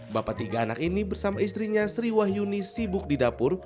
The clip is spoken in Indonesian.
bapak tiga anak ini bersama istrinya sri wahyuni sibuk di dapur